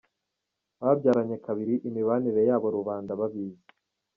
Babyaranye kabiri Imibanire yabo, Rubanda babizi.